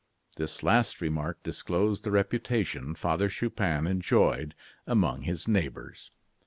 This last remark disclosed the reputation Father Chupin enjoyed among his neighbors.